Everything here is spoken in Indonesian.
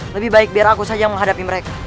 lebih baik biar aku saja yang menghadapi mereka